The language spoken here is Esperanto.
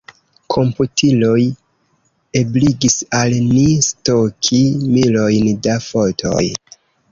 Komputiloj ebligis al ni stoki milojn da fotoj.